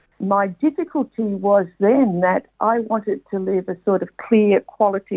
saya ingin menjalani hidup yang jelas dan kualitas